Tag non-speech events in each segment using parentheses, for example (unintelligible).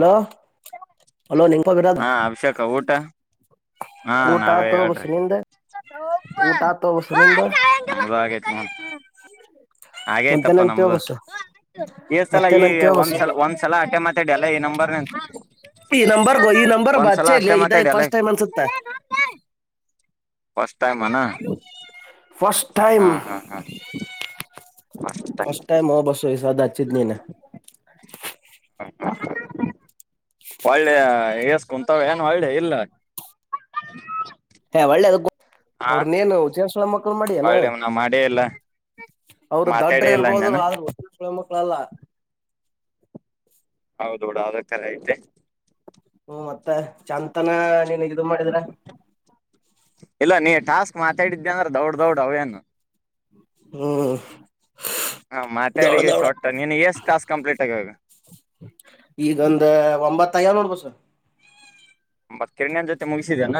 Hello. Hello ನಿಂಪ ಬಿರಾದ ಹಾ ಅಭಿಷೇಕ ಊಟ ಹಾ ಊಟ ನಾವೇ ಆತೋ ಬಸ್ಸು ಹೇಳ್ರಿ. ನಿಂದ ಊಟ ಆತೋ ಬಸ್ಸು ನಿಂದ ಹಾಗೇ ಅಪ್ಪಾ ಮತ್ತೇನಂತೇವ ನಮ್ದು ಬಸ್ಸು ಈ ಸಲ ಈ ಮತ್ತೇನಂತೇವ ಬಸ್ಸು ಒಂದ್ಸಲ ಒಂದ್ಸಲ ಅಟ್ಟೆ ಮಾತಡಿ ಅಲ್ಲ ಈ ನಂಬರ್ನ (inaudible) ಈ ನಂಬರ್ಗೋ ಈ ನಂಬರ್ ಬ ಚೆ ಇದ ಮಾತಾಡಿ ಅಲ್ಲ ಫಸ್ಟ್ ಟೈಮ್ ಅನ್ಸತ್ತ. ಫಸ್ಟ್ ಟೈಮ ಅನಾ ಫಸ್ಟ್ ಹಾ ಟೈಮ್ ಹಾ ಹಾ. ಫಸ್ಟ್ ಟೈಮ್ ಬಸ ಈ ಸತಿ ಹಚ್ಚಿದ್ದ ನೀನ ಒಳ್ಳೆ ಎಸ್ ಕುಂತಾವ ಏನ್ ಒಳ್ಳೆ ಇಲ್ಲ. ಹಾ ಒಳ್ಳೆ ಅದ ಹಾ ಅವ್ರನೇನ ಚೇಸಣ ಮಕ್ಕ ಮಾಡ ಏನ ಒಳ್ಳೆ ನಾ ಮಾಡೇ ಇಲ್ಲ ಅವರು ದಡ್ರ ಮಾತಾಡೇ ಇಲ್ಲ ಇರ್ಬೋದು ಅಂದ್ಯಾನ ಆದ ಕಲ್ಲ ಕಾಲ ಹೌದ ಬಡ ಅದ ಕರೆ ಐತಿ. ಮತ್ತ ಚಂತನ ನೀನ್ ಇದು ಮಾಡಿದೀರ ಇಲ್ಲ ನೀ ಟಾಸ್ಕ್ ಮಾತಾಡಿದ್ದಿ ಅಂದ್ರ ದೌಡ್ ದೌಡ್ ಅವೇನ ಹ್ಮ. ಹಾ ಮಾತಾಡಿ ಶಾರ್ಟ್ ಟನ್ ನೀನು ಎಷ್ಟ್ ಟಸ್ಕ್ ಕಂಪ್ಲೀಟ್ ಆಗಿವಾ ಈಗೊಂದ ಒಂಬತ್ತ ಆಗ್ಯಾವ ನೋಡ್ ಬಸ್ಸು ಮತ್ ಕಿರಣನ್ ಜೊತೆ ಮುಗಿಸಿದೇನ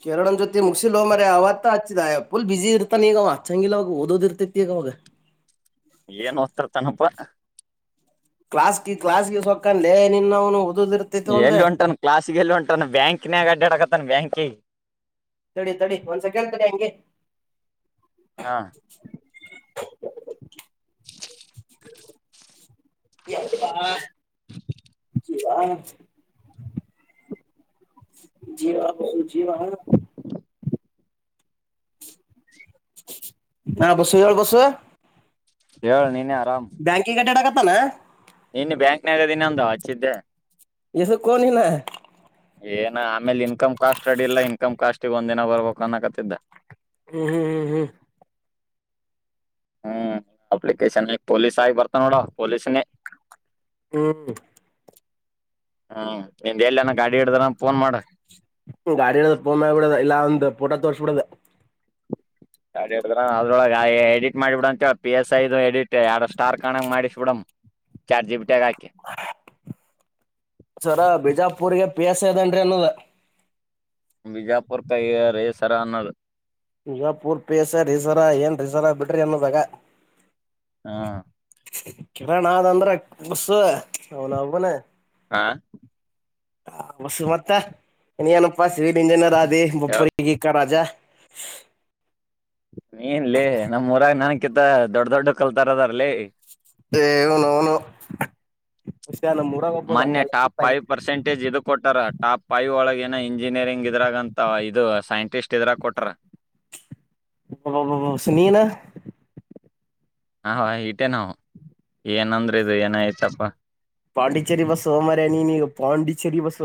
ಕಿರಣನ್ ಜೊತೆ ಮುಗಸಿಲ್ಲೊ ಮಾರಾಯ ಆವತ್ತ ಆಚ್ಚಿದಫುಲ್ ಬಿಸಿ ಇರ್ತಾನ ಈಗ ಚಂಗಿಲ್ಲವಾಗ ಓದೋದ ಇರ್ತೈತಿ ಈಗವ ಏನ್ ಓದ್ತಾರತನಪ್ಪಾ ಕ್ಲಾಸ್ ಕ್ಲಾಸ್ಗೆ ಸೊಕ್ಕಂನೆ ನಿನ್ನಹೌನು ಎಲ್ಲಿ ಉಂಟನು ಕ್ಲಾಸ್ ಗೆಲ್ಲಿ ಉಂಟಾನು ಬ್ಯಾಂಕ್ನೇ ಅಡ್ಡದಕಾತನು ಬ್ಯಾಂಕ್ ತಡಿ ತಡಿ ಒಂದ್ ಸೆಕೆಂಡ್ ತಡಿ ಹಂಗೆ ಹಾ (unintelligible) (unintelligible) (inaudible) ಹಾ ಜೀವ ಜೀವ (unintelligible) ಹಾ ಬಾಸು ಹೇಳು ಬಾಸು ಹೇಳ ನೀನೆ ಬ್ಯಾಂಕಿಗೆ ಅಡ್ಡಡಕತಿದ್ದೆ ನೆ ಇನ್ನ ಬ್ಯಾಂಕ್ನಗೆ ಅಂದೇ ಹಚ್ಚಿದ್ದೆ ಎದ್ದುಕ್ಕೋ ಇನ್ನ ಏನ್ ಆಮೇಲೆ ಇನ್ಕಮ್ ಕಾಸ್ಟ್ ರಡಿ ಇಲ್ಲ ಇನ್ಕಮ್ ಕಾಸ್ಟ್ಗ್ ಒಂದಿನ ಬರ್ಬೇಕು ಅನ್ನಕತಿದ್ದ ಹ್ಮ್ ಹ್ಮ್ ಹ್ಮ್ ಹ್ಮ್ ಹ್ಮ್ ಅಪ್ಲಿಕೇಶನ್ ಪೊಲೀಸ್ ಆಗಿ ಬರ್ತ ನೋಡ ಪೊಲೀಸನೇ ಹ್ಮ್ ಹ್ಮ್ ನಿಂದ್ ಎಲ್ಲನ ಗಾಡಿ ಹಿಡ್ದನ ಫೋನ್ ಮಾಡ ಗಾಡಿ ಇದೆ ಫೋನ್ ಮಾಡಿಬಿಡೋಣ ಫೋಟ ತೋರಿಸಬಿಡೋದೆ ಅದ್ರೊಳಗ ಎಡಿಟ್ ಮಾಡಿಬಿಡ ಅಂತ ಪಿ ಎಸ್ ಐದು ಎಡಿಟ್ ಎರಡು ಸ್ಟಾರ್ ಕಾಣಂಗ ಮಾಡಿಸ್ಬಿಬಿಡು ಚಾಟ್ ಜಿಪಿಟ್ ಗೆ ಹಾಕಿ ಸರ ಬಿಜಾಪುರ್ಗೆ ಪಿ ಎಸ್ ದನ್ರಿಅನ್ನೋದ ಬಿಜಾಪುರ್ ಗೆ ಕೈಯಾರಿ ಸರ್ ಆ ಅನ್ನೋದು ಈಗ ಪಿ ಎಸ್ ಐ ಪೂರ್ಪೇಸ ರಿಸರ್ ಏನ್ ರಿಸರ್ವ ಬಿಟ್ರಿ ಅನ್ನೋದಾಗ ಹಾ ಕಿರಣ ಅನ್ನದ ಅಂದ್ರೆ ಬಸ್ ಆವನಾಅವೊನ ಹಾ ಹ ಬಸುಮತ್ತ ನೀನ್ ಏನಪ್ಪ ಸಿವಿಲ್ ಇಂಜಿನಿಯರ್ ಆದ ಹೇಳ ಬೋಪಾಕ್ಕಿರ ರಾಜ ನಿನ್ ಲೇ ನಮ್ಮ ಊರಗ ನನಗೆ ಅಕಿತ್ತ ದೊಡ್ಡ ದೊಡ್ಡ ಕಲ್ತಾರ್ ಅದಾಲ್ರೆ ಹೇ ಅವನೋನು ಮೊನ್ನೆ ಟಾಪ್ ಫೈವ್ ಪರ್ಸೆಂಟೇಜ್ ಇದು ಕೊಟ್ಟಾರ ಟಾಪ್ ಫೈವ್ ಒಳಗೆ ಇಂಜಿನಿಯರಿಂಗ್ ಇದ್ರಾಗಂತ ಇದು ಸೈಂಟಿಸ್ಟ್ ಇದ್ರಾಗ ಕೊಟ್ರ ಹ್ಮ್ ಹ್ಮ್ ಬಾಸು ನಿನ್ನ ಹ ಹೊ ಇಟ್ಟೇ ನವು ಏನಂದ್ರ ಇದು ಏನಐತಪ್ಪ. ಪಾಂಡಿಚೆರಿ ಬಸ್ ಮರ ನೀ ನೀಗ ಪಾಂಡಿಚೆರಿ ಬಸ್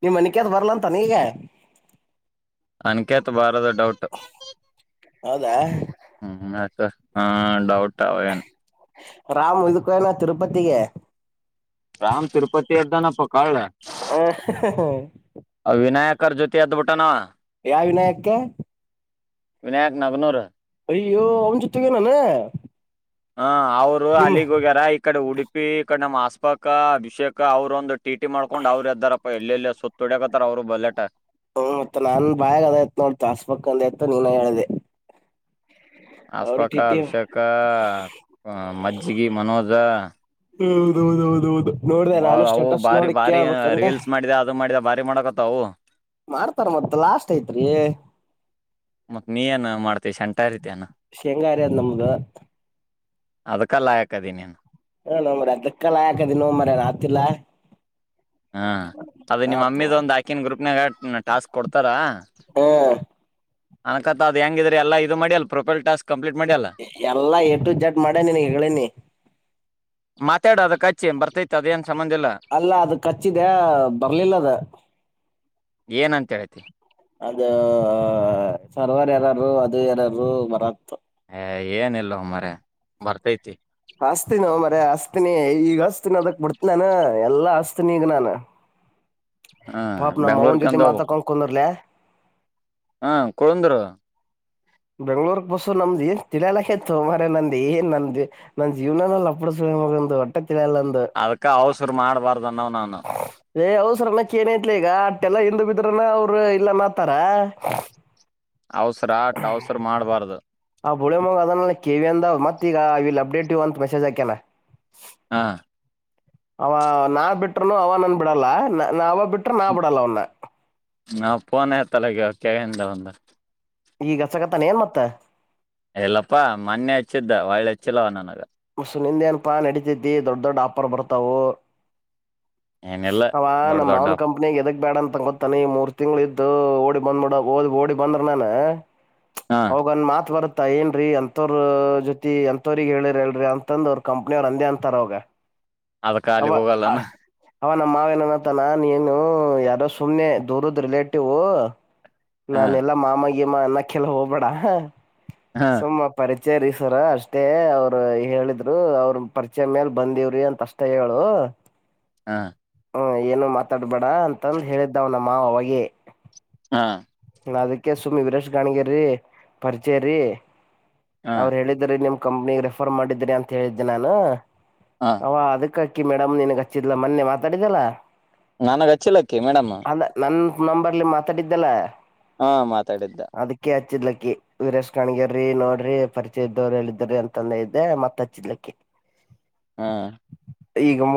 ನೀವ್ ಮನಕಾದ್ ಬರ್ಲ ಅಂತ ನೀಗೆ (unintelligible) ಅನ್ಕೆತ್ ಬಾರ ದೊಡ್ ಡೌಟ್ ಹೌದಾ ಹ್ಮ್. ಸ ಹಾ ಡೌಟ್ ಆ ಅವ ನ್ ರಾಮ್ ಉದುಕಯನಾ ತಿರುಪತಿಗೆ ರಾಮ್ ತಿರುಪತಿ ಅ್ದನಪ್ಪಾ ಕಾಳಳ. ಹ ಹ (unintelligible) ಕರ್ ಜೊತೆ ಅದುಬುಟಾನ. ಯಾವ ವಿನಾಯಕ್ಕೆ. ವಿನಾಯಕ್ ನಗನೂರ್. ಅಯೋ ಅವ್ ಜೊತೆಗನಾನ ಹ ಅವ್ರು ಅಲ್ಲಿಗ್ ಹೋಗ್ಯಾರ ಈ ಕಡೆ ಉಡುಪಿ ಈ ಕಡೆ ನಮ್ಮ್ ದಸ್ಪಾಕ ಅಭಿಷೇಕ ಅವ್ರರುಂದಂದು ಟೀಟಿ ಮಾಡ್ಕೊಂಡ್ ಅವ್ರು ಇದ್ದಾರಪ್ಪ ಎಲ್ಲೆಲ್ಲ ಸುತ್ತ ಹೊಡಕತ್ತಾರ ಅವ್ರರು ಬಲ್ಲಲೆಟ ಹ್ಮ ಮತ್ತತ್ ನಾನ್ ಬಾಯಾಗ ಅದಾಯತ್ ನೋಡ್ತು ಹಸ್ಬಕ್ ಅಂದಾಯತ ನೀನ ಹೇಳಿದೆ ಅಸ್ಪಕ ಅಭಿಷೇಕ ಮಜ್ಜಗಿ ಮನೋಜ್ (unintelligible) ಹೌದ ಹೌದೌದೌದು ಬಾಳ ಅವು ಬಾರಿ ಬಾರಿ ರೀಲ್ಸ್ ಮಾಡಿದ ಅದು ಮಾಡಿದ ಭಾರಿ ಮಾಡಕ ತ್ತವು ಮಾಡ್ತಾರ ಮತ್ತ ಲಾಸ್ಟ್ ಐತ್ರಿ ಮತ್ ನೀ ಏನ್ ಮಾಡ್ತವಿ ಸೆಂಟರ್ತಾನ (unintelligible) ಶೇಂಗಾ ಹರ್ಯದ್ ನಮ್ದು ಅದ್ಕಲ್ಲ ಆಯಕದ ನೀನ್ ಹ ನೋ ಮ್ರ ಅದಕ್ಕಲ್ಲ ಹಾಕದ ನೋ ಮ್ರ ಆತಿಲ್ಲಾ ಹಾ ಅದ ನಿಮ್ಮ (unintelligible) ದ ಒಂದ್ ಆಾಕಿನ ಗ್ರೂಪ್ನಾಗ ಟಾಸ್ಕ್ ಕೊಡ್ತಾರ ಅನಕತ ಅದು ಹೆಂಗಿದ್ರೆ ಎಲ್ಲ ಇದು ಮಾಡಿ ಅ ಪ್ರೊಪೈಲ್ ಟಾಸ್ಕ್. ಕಂಪ್ಲೀಟ್ ಮಾಡಿ ಅಲ್ಲ ಎಲ್ಲಾ ಎಟು ಜಡ್ ಮಾಡೇ ನಿನ್ ಹೇಳನಿ. ಮಾತಾಡ ಅದಕ್ಕಚ್ಚೆ ಬರ್ತೈತಿ ಅದೇ ಅಂತ ಸಂಬಂಧ ಇಲ್ಲ. ಅಲ್ಲ ಅದು ಕಚ್ಚಿದೆ ಬರ್ಲಿಲ್ಲದ ಏನಂತೇತಿ ಅದು ಸರ್ವರ್ ಯಾರರು ಅದು ಯಾರಾರರು ಬರತ್ತ ಹ ಏನಲ್ವ ಮರ ಬರ್ತೈತಿ ಹಸ್ತೀ ನ ಮರ ಹಸ್ತೀನಿ ಈಗ ಹಸ್ತೀನಿ ಅದಕ್ ಬಿಡ್ತ ನಾನ ಎಲ್ಲಾ ಅಸ್ತ ನೀಗ ನಾನು ಹ ಪಾಪ ನ ಮೌನ್ ಜೊತಿ ಬೆಂಗ್ಳೂರ್ಕಂದ ಮಾತಾ ಕೊಂಡ ಕೊಂಡರ್ಲ ಹಾ ಕುಳಂದರು ಬೆಂಗ್ಳೂರ್ ಬಸ್ಸ ನಮ್ದು ಏ ತಿಳಿಯಲಕೇತ್ತು ಮ್ರ ನಂದ ಏನ್ ನಂದ ನ ಜೀವನಲ್ಲ ಅಪಡಸ ಒ ಹೊಟ್ಟ ಅದ್ಕ ಅವಸರು ಮಾಡಬಾರ್ದನ್ನವ ನಾನ ಏನೈತ್ಲ ಈಗ ಅಟ್ಟೆಲ್ಲಾ ಹಿಂದ ಬಿದ್ರನ ಅವರು ಇಲ್ಲ ನತಾರ ಅವಸರ ಆಟ ಅವಸರ್ ಮಾಡ್ಬಾರ್ದು ಕಿವ ಅಂದ ಮತ್ತೀ ಈಗ ಇಲ್ಲಿ ಅಪ್ಡೇಟ್ ಇ ಅಂತ ಮೆಸೇಜ್ ಹಾಕ್ಯನಾ ಹಾ ಅವ ನಾನ್ ಬಿಟ್ರನು ಅವ ನನ್ ಬಿಡಲ್ಲ ನಾಗ ಬಿಟ್ಟ್ರ ನಾ ಬಿಡಲ್ಲ ಅವ್ನ ನಾ ಪಫೋನ್ ಆಯತಲ್ಲಗೆ ಕ (inaudible) ದ ಒಂದು ಈಗ ಹಚ್ಚಕತಾನ ಏನ್ ಮತ್ತ ಎಲ್ಲಪ್ಪಾ ಮೊನ್ನೆ ಹಚ್ಚಿದ್ದ ಒಳ್ಳೆ ಹಚ್ಚಿಲ್ಲವ ನನಗ ಮಸು ನೀನ್ದೇನಪಾ ನಡೀತಿದ್ದಿ ದೊಡ್ ದೊಡ್ಡ ಆಫರ್ ಬರ್ತಾವು ಏನಿಲ್ಲ ಅವ ದೊಡ್ಡ ನಮ್ಮ್ ದೊಡ್ಡ ಮಾನ್ ಕಂಪ್ನಿ ಎದ ಬೇಡ ಅಂತ ಗೊತ್ತಾನ ನೀ ಮೂರ್ ತಿಂಗ್ಳ ಇದ್ದು ಓಡಿ ಬಂದ್ಬಡ ಓದ್ ಓಡಿ ಬಂದ್ರ ನಾನ ಹ ಹೋಗನ್ ಮಾತ್ ಬರತ್ತ ಏನ್ರೀ ಅಂತೋರ ಜೊತಿ ಎಂತವ್ರಗ ಹೇಳಿರ ಎ ರೀ ಅಂತಂದ ಅವ್ರ ಕಂಪ್ನಿ ಅವರು ಅಂದೇ ಅಂತಾರ ಅವೋಗ ಅದಕ್ಕ ಅವ ಅಲ್ಲಿಗ್ ಹೋಗಲ್ಲಾನ ಅವ ನಮ್ಮ ಮಾವನನತಾನ ನೀನು ಯಾರೋ ಸುಮ್ನೆ ದೂರದ್ ರಿಲೇಟಿವ್ ಹ ನಾನ ಎಲ್ಲಾ ಮಾಮ ಯ ಮಾ ನಖಲ್ವ ಬಡಾ ಹ ಹ ಸುಮ್ಮ ಪರಿ ಸರಿ ಸರ ಅಷ್ಟೇ ಅವರು ಹೇಳಿದ್ರು ಅವ್ರ ಪರಿಚಯ ಮೇಲ್ ಬಂದವ್ರಿ ಅಂತ ಅಷ್ಟೇ ಹೇಳು ಹಾ ಹ್ಮ್ ಏನು ಮಾತಾ (inaudible) ಬೇಡ ಅಂತಂದ ಹೇಳಿದ್ದಾವ್ ನ ಮಾವಗೆ ಹಾ ನ ಅದಕ್ಕೆ ಸುಮ್ಮಿ ವರೇಶ್ ಗಾಣಗಿರರಿ ಪರಿಚಯ ರೀ ಹ ಅವ್ರು ಹೇಳಿದ್ರ ನಿಮ ಕಂಪ್ನಿಗೆ ರೆಫರ್ ಮಾಡಿದ್ದೀರಿ ಅಂತ ಹೇಳಿದ್ದೆ ನಾನು ಹ ಅವ ಅದಕ್ಕೆ (inaudible) ಕಿ ಮೇಡಮ್ ನನ್ಗ್ ಹಚ್ಚಿದ್ಾ ಮೊನ್ನೆ ಮಾತಾಡಿದಲ್ಲಾ ನನಗ ಹಚ್ಚಿಲ್ಲಕ್ಕಿ ಮೇಡಮ್ಮ ನಂಬರ್ಲ್ಲಿ ಮಾತಾಡಿದ್ದಲ್ಲ ಹಾ ಮಾತಾಡಿದ್ದ ಚಲ (inaudible) ಕಣಗರಿ ನೋಡ್ರಿ ಪರಿಚಯ ಇದ್ದವ ಎಿದ್ದ್ರಿ ಅಂತಂದ ಇದ್ದೆ ಮತ್ತತ್ ಹಚ್ಚಿದ್ಲಕ್ಕ ಹಾ,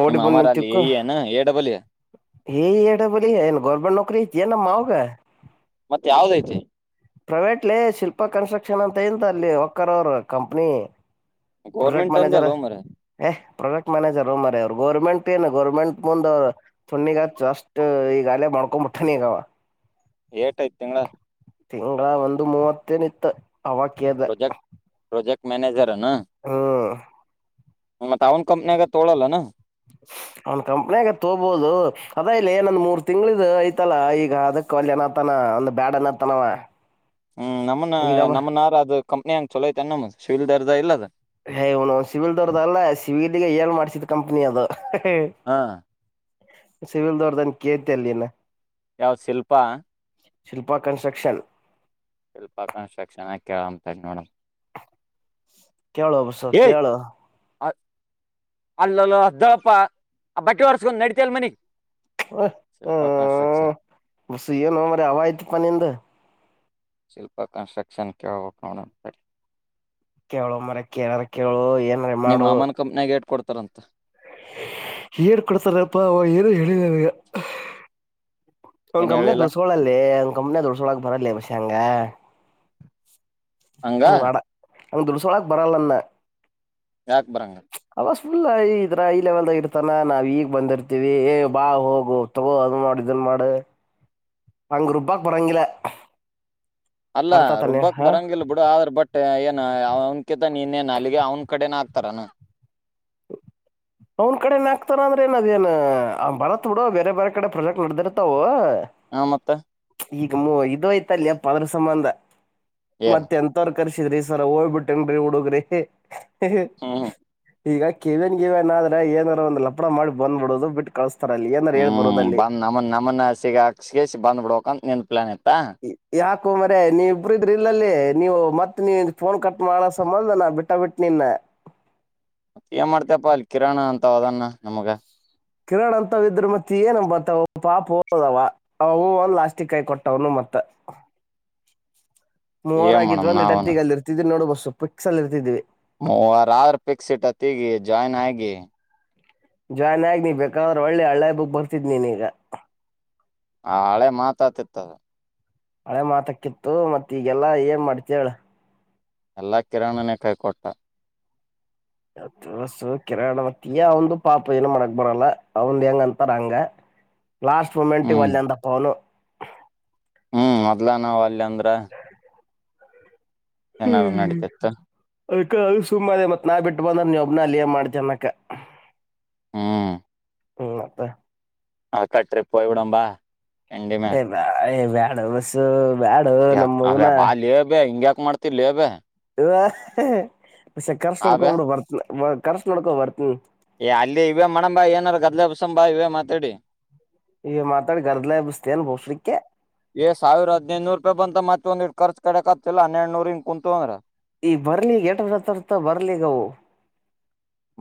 ನಿಮ್ಮ ಬಂದ್ ಮಾಮರ ಅಲ್ಲಿ ಎ, ತಿಕ್ಕು ಏನಾ ಎ, ಡಬಲ್, ಇ ಏ, ಎಡ ಬಿ ಎಂ, ಏನು ಗೌರ್ಮೆಂಟ್ ನೌಕರಿ ಐತಿಎನ್ ನಮ್ಮ ಮಾವುಗ. ಮತ್ತ ಯಾವದಐತೆ. - ಪ್ರೈವೇಟ್ಲ್ಲಿ ಶಿಲ್ಪ ಕನ್ಸ್ಟ್ರಕ್ಟ್- ಶಿಕ್ಷಣ ಅಂತ ಎಂತ ಅಲ್ಲಿ ಒಕ್ಕರ್ ಅವರು ಕಂಪ್ನಿ. - ಗೋರ್ಮೆಂಟ್ಅಂದಲ ಮಾರಯ. ಪ್ರಾಡಕ್ಟ್ ಮ್ಯಾನೇಜರ್ ಅವ ಮಾರಯ ಅವರು. ಗೋರ್ಮೆಂಟ್ ಏನು ಗೌರ್ಮೆಂಟ್ ಮುಂದ ಅವರು ತುಣ್ಣಿಗಚ್ಚ ಅಷ್ಟಟ್ ಈಗ ಅಲೆ ಮಾಡ್ಕೊ ಬುಟ್ಟನಿಗವ. ಏಟಐ್ತ್ ತಿಂಗಳ. ತಿಂಗಳ ಒಂದು ಮೂವತ್ತೇನ ಇತ್ತು. ಅವ ಕಿದೆ (unintelligible) ಮ್ಯನೆೇಜರ್., ನಾ... ಮತ್ತ್ ಅವ್ನ್ ಕಂಪ್ನಿಯಾಗ ತೋಗಳೋಲ್ಲ ನ, - ಅವನ್ ಕಂಪ್ನಿಯಾಗ ತೋಬೋದು. ಅದ ಇಲ್ಲಿ ಏನೊಂದ್ ಮೂರ್ ತಿಂಗಳಿದು ಐಚಲ್ಲಾ ಈಗ ಅದಕ್ ವಲ್ಯನತಾನ ಒಂದ್ ಬ್ಯಾಡ ಅನಾತನವ. ಹ್ಮ್, ನಮ್ಮನ ನಮ್ಮನಾರ ಅದು- ಕಂಪ್ನಿಯನಚಲೋಐತ ನಮ್ಮ ಶಿವಿಲ್ ದರ್ದ ಇಲ್ಲ ಅದ ಹೇ, ಸಿವಿಲ್ ದೋರ್ದ ಅಲ್ಲ ಸಿವಿಲ್, - ಗ ಏಳ್ ಮಾಡಿಸಿದ್ ಕಂಪ್ನಿ ಅದು. ಹಾ,, ಸಿವಿಲ್ ದೋರ್ದನ್ ಕೇಳ್ತಿ ಅಲ್ಲನೀನ. ಯಾವ ಶಿಲ್ಪ, - ಶಿಲ್ಪಾ ಕನ್ಸ್ಟ್ರಕ್ಷನ್, - ಶಿಲ್ಪ ಕನ್ಸಟ್ರಕ್ಷನ್ ಹಾ ಕಳ ತಡಿ ನೋಡಮ್ಮ. ಕೇಳುವ ಬಸು ಕೇಳೋ,, ಅ ಅಲ್ಲಲ್ಲ ಅ್ದಳ (unintelligible) ಪ್ಪ ಆ ಬಟ್ಟೆ ಒರ್ಸ್ಕೊಂಡ್ ನಡಿತಲ್ ಮನಿಗಿ ಹ್ಮ್, ಬಸ್ ಏನು ಮಾರಾಯ ಅವ ಐಯ್ತಿಪ್ಪ ನಿಂದ. ಶಿಲ್ಪ ಕಂಸ್ಟ್ರಕ್ಷನ್ ಕೇಳಕಬೇಕ ನೋಡ. ಕೇಳೋ ಮಾರಾಯ್ ಕೇಳಾರ ಕೇಳೋ... ನೀಮ ಮಾಮನ ಕಂಪ್ನಿಗ ಎಟ್ ಕೊಡ್ತವಿ- ತರಂತ್. ಏನ್ ಕೊಡ್ತಾರಪ್ಪ ಅವ ಏನು ಹೇಳಿಲ್ಲನನಗ. ಒ್ ಏನ್ ಗಮ್ಮನಿ ಹೇಳಿಲ್ಲ ದೃಸಲ್ಲಿ (unintelligible) ಸುಮನೆ ದುಡ್ಸ ಕೋಳಕಬರಲಲೇಬಸ ಹಂಗ. ಹಂಗಾ, ಅವ ದುಡ್ಸೋಳಕ್ ಬರಲ್ಲನ್ನಂದನ. ಯಾಕ್ ಬರಂಗ. ವಸ್ ಫುಲ್ ಇದ್ರ ಈ ಲೆವೆಲ್ದಾಗ ಇರ್ತಾನ ನಾವು ಈಗ ಬಂದಿರ್ತೀವಿ. ಏ ಬಾ ಹೋಗು ತಗೋ ಅದ ಮಾಡ ಇದನ್ ಮಾಡ, - ಹ (inaudible) ಹಂಗ್ ರುಬ್ಬಕ್ ಬರಾಂಗಿಲ್ಲ. ಅಲ್ಲ ರುಬ್ಬಕ್ ಬರಂಗಿಲ್ಲ ಬಿಡು ಆದ್ರ ಬಟ್ ಏನ ಅವ ಮುಖ್ಯತ ನೀನ್ನೆ ನಾಲಿಗೆ ಅವ್ನ ಕಡೆನ ಆಗ್ತಾರಾನ. ಅವನ್ ಕಡೆನ ಹಾಕ್ತಾರ ಅಂದ್ರ ಏನ್ ಅದೇಏನ್ ಬರತ್ ಬಿಡ ಬೇರೆ ಬೇರೆ ಕಡೆ ಪ್ರೊಜೆಕ್ಟ್ ನಡೆದಿರ್ತಾವು. ಹಾ ಮತ್ತ ಈಗ ಇದೈತಲ್ಲಿ ಎಪ್ಪ ಅದ್ರು ಸಂಬಂಧ ಏನ್ ಮತ್ ಎಂತರ್ ಕರ್ಸಿದ್ರಿ ಸರ ಹೋಗ್ ಬಿಟ್ಟನ್ರಿ ಹುಡುಗ್ರಿ ಹಿ ಹಿ ಹ್ಮ್ ಈಗ ಕೇವನ್ ಕಿವನಾದ ಏನರ ಒಂದ್ ಲಪಡ ಮಾಡಿ ಬಂದ್ಬಡದು ಬಿಟ್ಟ ಕಳಸ್ ಹ್ಮ್ ಬಂದ್ ನಮ್ಮ ನಮ್ಮನ್ನ ಸಿಗಾಕ್ಹಾಸ್ ಬಂದ್ ಬಿಡ್ಬೇಕಂತ ನಿನ್ ಪ್ಲಾನ್ ಐ ಯಾ ಕೋ ಮರೆ ನೀ ಇಬ್ರಿದ್ರ ಇಲ್ಲಲ್ಲಿ ನೀವು ಮತ್ತ್ ನೀ ಫೋನ್ ಕಟ್ ಮಾಡಸಬಂದ ನಾ ಬಿಟ್ಟ ಬಿಟ್ಟ ನಿನ್ನ. ಮ ಏನ್ ಮಾಡ್ತಪ್ಪಾ ಅಲ್ಲಿ ಕಿರಣ ಅಂತ ಅದನ್ನ ನಮ್ಗ. ಕಿರಣ್ ಅಂತ ಇದಿದ್ರು ಮತ್ ತ್ ಏನು ಬತಾವ್ ಪಾಪ್ ಹೋದವ ಅವ ಹೂ ಅಂದ್ ಲಾಸ್ಟಿಕ್ ಕೈ ಕೊಟ್ಟ ಅವನು ಮತ್ತ. ಮೂವರ್ ಏನ್ ಆಗಿದ್ವು ಮಾಡಮ್ ಅಂದ್ರ್ ನಾವನ ಇಟೋತ್ತಿಗ್ ಅಲ್ ಇರ್ತಿದ್ರಿ ನೋಡು ಬಸ್ ಸೊ ಪಿಕ್ಸ್ ಅಲ್ಲಿ ಇರ್ತಿದೀವಿ. ಮೂವರ್ ಆರ್ ಪಿಕ್ಸ್ ಇಟ್ಟತ್ತಿಗ್ ಜಾಯ್ನ್ ಆಗಿ ಜಾಯ್ನ್ ಆಗ್ ನೀ ಬೇಕಾರ್ ಒಳ್ಳೆ ಹಳ್ಳೇ ಬುಕ್ ಬರ್ತಿದ್ ನಿನಿಗ. ಹಾಳೆ ಮಾತಾತಿರ್ತದ. ಹಳೆ ಮಾತಕ್ಕಿತ್ತು ಮತ್ತ ಈಗೆಲ್ಲಾ ಏನ್ ಮಾಡ್ತಿ ಹೇಳ. ಎಲ್ಲಾ ಕಿರಣನೇ ಕೈ ಕೊಟ್ಟ. (unintelligible) ಯೇ ಅವ್ನ್ ದು ಪಾಪ ಏನು ಮಾಡಾಕ್ ಬರಲ್ಲ ಅವಂದ್ ಹೆಂಗ್ ಅಂತಾರ್ ಹಂಗ. ಲಾಸ್ಟ್ ಮೂಮೆಂಟ್ ಗ್ ಹ್ಮ್ ಒಲ್ಲೆ ಅಂದಪ್ಪ ಅವನು. ಹ್ಮ್ ಮೊದ್ಲ ನಾವ್ ಅಲ್ಲಂದ್ರ ಏನಾರರು ನಡೀತಿತ್ತು. ಅದ್ಕ ಅಲ್ ಸುಮ್ಮ ಅದೇ ಮತ್ ನಾ ಬಿಟ್ಟು ಬಂದ್ರ ನೀ ಒಬ್ನ ಅಲ್ಲಿ ಏನ್ ಮಾಡ್ತ ಅನಕ್ಕ. ಹ್ಮ್ ಮತ್ತ. ಆ ಕಟ್ರಿಪ್ಯ್ ಬಿಡಂಬಾ ಎಂಡಮೇ. ಹಡೊ ಬಸ್ ಯ ಅದ ಬಾಲ್ಯೆ ಬೆ ಹಿಂಗ್ಯಾಕ್ ಕ್ ಮಾಡ್ತಿನ್ಲೇ ಬೆ. ಊ ಆ ಹೇ ಅಸ್ ಕರ್ಸ್ ಆ ಬೆ ನೋಡ್ಕೊಂಬುಡು ಬರ್ತ್ನ. ಕರ್ಸ್ ನೋಡ್ಕೊ ಬರ್ತಿವಿ ಏ ಅಲ್ಲಿ ಇವವೆ ಮಾಡಣಂಬಾ ಏನಾರ ಗದ್ಲೆ ಬಸಂಬಾ ಇವವೆ ಮಾತಾಡಿ ಈಗ ಮಾತಾಡಿ ಗರ್ದ್ಲ ಎಬ್ಬಿಸ್ತೇನ್ ಬೋಸ್ರಿಕ್ಕೆ ಏ ಸಾವಿರ ಹದಿನೈದ್ನೂರು ರೂಪಾಯ್ ಬಂತ ಮತ್ ಒಂದ್ (unintelligible) ಕಡೆ ಕತ್ತಲ್ಲ ಹನ್ನೆರಡ್ನೂರ್ಂಗ ಕುಂತಂದ್ರ ಈಗ್ ಬರ್ಲಿ (unintelligible) ಬರ್ಲೀಗವು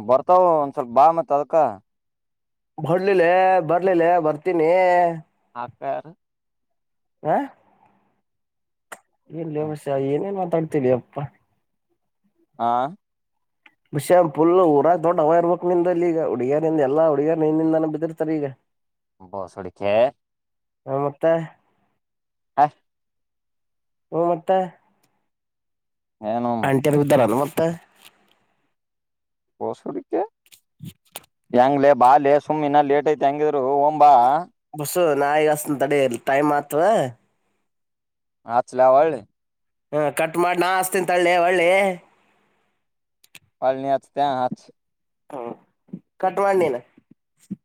ಬರ್ತಾವ ಒಂದ್ ಸ್ವಲ್ಪ ಬಾ ಮತ್ ಅದ್ ಕಾ ಹೊರ್ಡ್ಲಿಲ್ಲೇ ಬರ್ಲಿಲ್ಲೇ ಬರ್ತೀನಿ ಆಕಾರ ಹ ಇಲ್ಲಿಷ ಏನೇನ್ ಮಾತಾಡ್ ತ ಅಪ್ಪ ಹಾ ಬಷ್ಯ್ ಪುಲ್ ಊರ ದೊಡ್ಡ ಹವ ಇರ್ಬೇಕಕ್ಂದಲ್ಲಿ ಈಗ ಹುಡುಗಿಯರಿಂದ ಎಲ್ಲಾ ಹುಡುಗಿಯರ ನಿಂದಿಂದಾನ ಬಿದ್ದಿರ್ತಾರೆ ಈಗ ಬಸಡಕ್ಕೆ ಹ ಮತ್ತೆ ಹ ಹ್ಮ ಮತ್ತೆ ಏನು ಮತ್ ಆಂಟಿದ್ದರ ಮತ್ತ ತ್ತ ಬೋಸುಡಿಕೆ ಹಂಗ್ಲೆ ಬಾಲೆ ಸುಮ್ಮ್ ಇನ ಲೇಟ್ ಐತೆ ತಂಗಿದ್ರು ಒಂಬಾ ಸು ನಾಯ್ಗಾಸ್ತಿನ್ ತಡಿ ಅಲ್ ಟೈಮ್ ಆತು ಹಚಲ ಆ ಒಳ್ಳಿ ಹಾ ಕಟ್ ಮಾಡಿ ನಾ ಹಸ್ತನ ತಳ್ಳಿ ಒಳ್ಳಿ ಪಳನ ಹತ ತ ಹಾಚ್ ಹಾ (unintelligible)